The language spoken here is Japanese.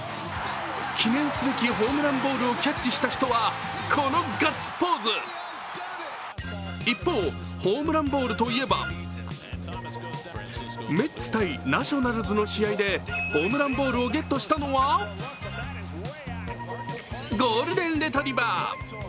記念すべきホームランボールをキャッチした人は、このガッツポーズ一方、ホームランボールといえばメッツ対ナショナルズの試合でホームランボールをゲットしたのはゴールデンレトリバー。